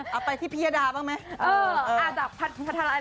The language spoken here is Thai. เอาไปที่พิยดาบ้างไหม